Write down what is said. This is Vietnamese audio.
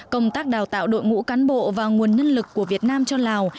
công tác đào tạo đội ngũ cán bộ và nguồn nhân lực của việt nam cho lào